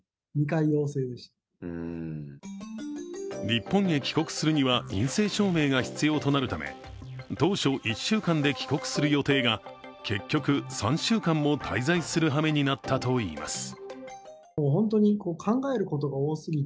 日本へ帰国するには陰性証明が必要となるため当初１週間で帰国する予定が結局３週間も滞在するはめになったといいます。